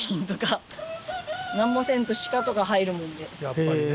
やっぱりね。